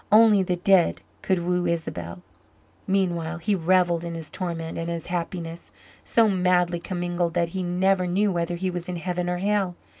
Only the dead could woo Isabel. Meanwhile he revelled in his torment and his happiness so madly commingled that he never knew whether he was in heaven or hell.